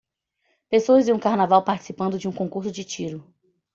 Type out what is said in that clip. Pessoas em um carnaval participando de um concurso de tiro.